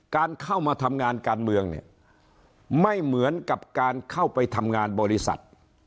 การเข้ามาทำงานการเมืองเนี่ยไม่เหมือนกับการเข้าไปทำงานบริษัท